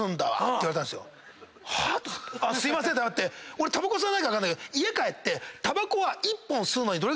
俺タバコ吸わないから分かんないけど家帰ってタバコは。